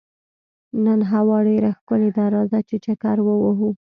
نن هوا ډېره ښکلې ده، راځه چې چکر ووهو.